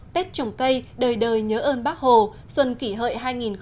tết trồng cây đời đời nhớ ơn bác hồ xuân kỷ hợi hai nghìn một mươi chín